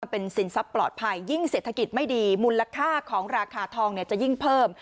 เป็นสินทรัพย์ปลอดภัยยิ่งเศรษฐกิจไม่ดีมูลค่าของราคาทองเนี่ยจะยิ่งเพิ่ม